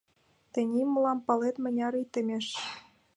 Тений мылам, палет, мыняр ий темеш?